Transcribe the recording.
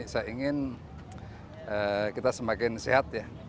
saya ingin kita semakin sehat ya